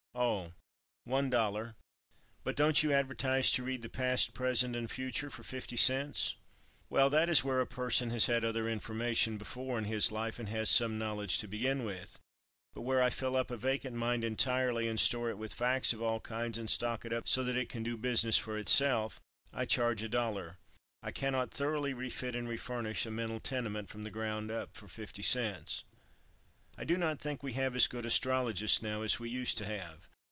"Oh, one dollar." "But don't you advertise to read the past, present and future for fifty cents?" "Well, that is where a person has had other information before in his life and has some knowledge to begin with; but where I fill up a vacant mind entirely and store it with facts of all kinds and stock it up so that it can do business for itself, I charge a dollar. I cannot thoroughly refit and refurnish a mental tenement from the ground up for fifty cents." I do not think we have as good "Astrologists" now as we used to have.